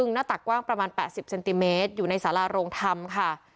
หน้าตักกว้างประมาณ๘๐เซนติเมตรอยู่ในสาราโรงธรรมค่ะ